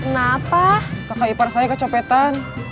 kenapa kakak ipar saya kecopetan